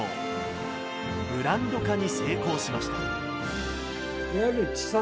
ブランド化に成功しました一方